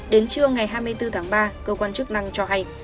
đến trưa ngày hai mươi bốn tháng ba cơ quan chức năng cho hay